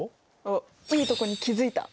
おっいいとこに気付いた！